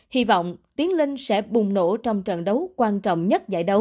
hy vọng tiếng lên sẽ bùng nổ trong trận đấu quan trọng nhất giải đấu